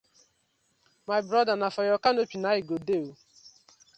My broda na for yur canopy na it go dey ooo.